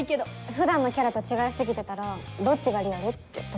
普段のキャラと違い過ぎてたらどっちがリアル？って戸惑うかも。